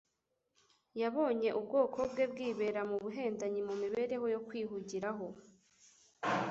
Yabonye ubwoko bwe bwibera mu buhendanyi, mu mibereho yo kwihugiraho,